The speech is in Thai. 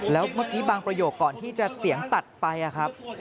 แล้วเมื่อกี้บางประโยคก่อนที่จะเสียงตัดไปครับ